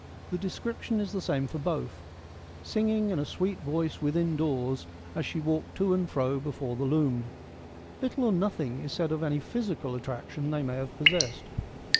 The de scription is the same for both —■ singing in a sweet voice within doors as she walked to and fro before the loom.' Little or nothing is said of any physical attraction they may have possessed.